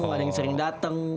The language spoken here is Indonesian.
ada yang sering datang